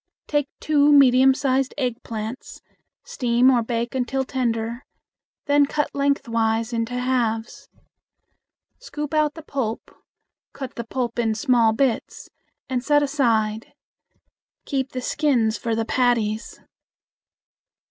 Take two medium sized eggplants, steam or bake until tender; then cut lengthwise into halves. Scoop out the pulp, cut the pulp in small bits and set aside. Keep the skins for the patties.